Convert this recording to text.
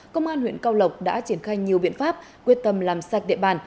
công an huyện cao lộc đã triển khai nhiều biện pháp quyết tâm làm sạch địa bàn